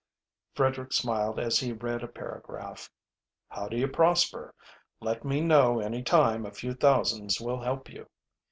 Frederick smiled as he read a paragraph: "How do you prosper? Let me know any time a few thousands will help you."